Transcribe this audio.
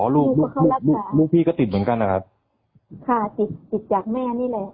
ลูกลูกพี่ก็ติดเหมือนกันนะครับค่ะติดติดจากแม่นี่แหละ